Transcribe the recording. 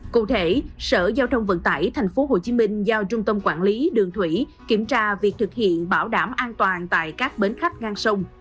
cụ thể sở giao thông vận tải tp hcm giao trung tâm quản lý đường thủy kiểm tra việc thực hiện bảo đảm an toàn tại các bến khách ngang sông